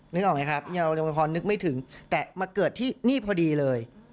นึกออกไหมครับเรายังพอนึกไม่ถึงแต่มาเกิดที่นี่พอดีเลย